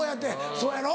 そうやろ？